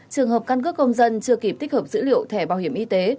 trường hợp căn cước công dân chưa kịp tích hợp dữ liệu thẻ bảo hiểm y tế